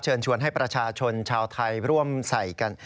ชวนให้ประชาชนชาวไทยร่วมใส่กัน